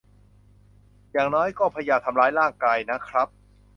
อย่างน้อยก็พยายามทำร้ายร่างกายนะครับ